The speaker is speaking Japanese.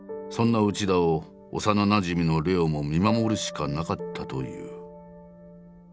そんな内田を幼なじみの玲雄も見守るしかなかったという。